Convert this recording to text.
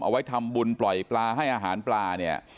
เอาไว้ทำบุญปล่อยปลาให้อาหารปลาเนี่ย